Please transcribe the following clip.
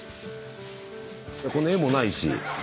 この絵もないし。